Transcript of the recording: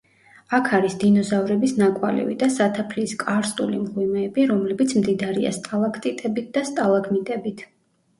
აქ არის დინოზავრების ნაკვალევი და სათაფლიის კარსტული მღვიმეები, რომლებიც მდიდარია სტალაქტიტებით და სტალაგმიტებით.